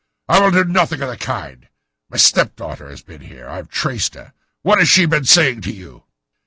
"I will do nothing of the kind. My stepdaughter has been here. I have traced her. What has she been saying to you?"